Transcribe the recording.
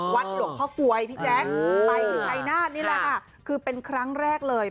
วัดหลวงพ่อกลวยพี่แจ๊คไปที่ชัยนาธนี่แหละค่ะคือเป็นครั้งแรกเลย